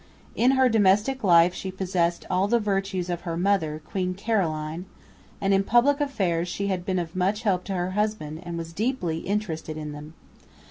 In her domestic life she possessed all the virtues of her mother, Queen Caroline; and in public affairs she had been of much help to her husband and was deeply interested in them.